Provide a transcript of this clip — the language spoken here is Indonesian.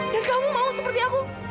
dan kamu mau seperti aku